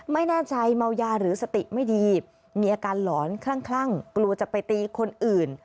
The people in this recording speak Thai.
ไม่แน่ใจเมายาหรือสติไม่ดีมีอาการหลอนคลั่งกลัวจะไปตีคนอื่น